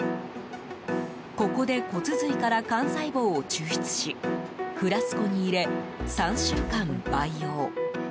ここで骨髄から幹細胞を抽出しフラスコに入れ、３週間培養。